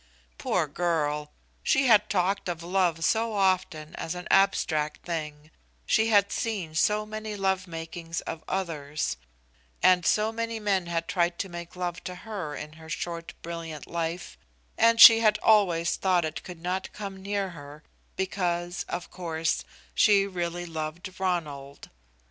Poor girl! She had talked of love so often as an abstract thing, she had seen so many love makings of others, and so many men had tried to make love to her in her short brilliant life, and she had always thought it could not come near her, because, of course, she really loved Ronald.